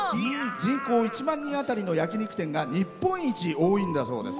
人口１万人あたりの焼き肉店が日本一多いんだそうです。